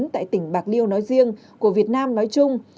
tại tỉnh bạc liêu nói riêng của việt nam nói chung